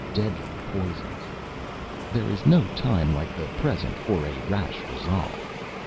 Deadly poisons! There is no time like the present for a rash resolve.